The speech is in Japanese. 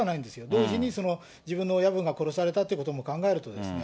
同時に自分の親分が殺されたということも考えるとですね。